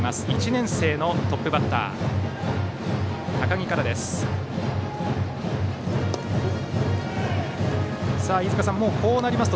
１年生のトップバッター高木からです。